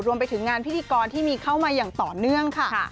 รวมไปถึงงานพิธีกรที่มีเข้ามาอย่างต่อเนื่องค่ะ